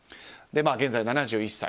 現在、７１歳。